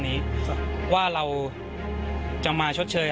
มีความรู้สึกว่าเสียใจ